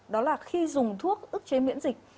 đó là khi dùng thuốc ức chế miễn dịch